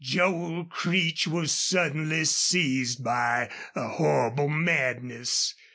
Joel Creech was suddenly seized by a horrible madness.